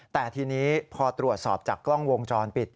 แต่ทีนี้พอตรวจสอบจากกล้องวงจรปิด